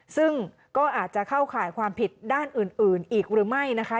ซึ่งก็อาจจะเข้าข่ายความผิดด้านอื่นอีกหรือไม่นะคะ